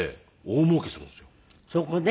そこで？